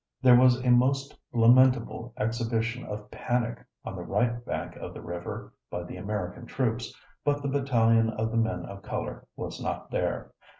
There was a most lamentable exhibition of panic on the right bank of the river by the American troops, but the battalion of the men of color was not there.